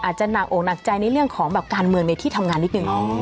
อาจจะหนักอกหนักใจในเรื่องของแบบการเมืองในที่ทำงานนิดนึง